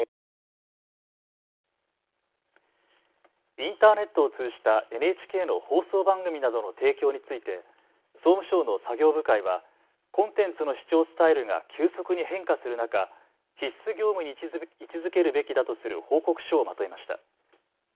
インターネットを通じたＮＨＫの放送番組などの提供について総務省の作業部会はコンテンツの視聴スタイルが急速に変化する中、必須業務に位置づけるべきだとする報告書をまとめました。